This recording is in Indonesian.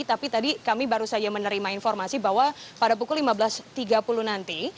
tapi tadi kami baru saja menerima informasi bahwa pada pukul lima belas tiga puluh nanti